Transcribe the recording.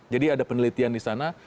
jadi ada penelitian di sana